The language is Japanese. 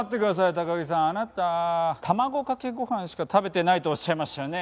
高木さんあなた卵かけご飯しか食べてないとおっしゃいましたよね？